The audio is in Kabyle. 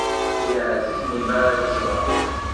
Ay aεziz melmi ara k-ẓreɣ.